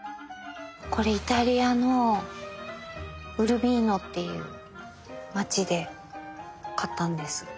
これイタリアのウルビーノっていう街で買ったんです。